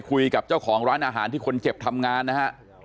คุยกับเจ้าของร้านอาหารที่คนเจ็บทำงานนะฮะ